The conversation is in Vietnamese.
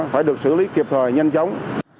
phải được xử lý kịp thời nhanh chóng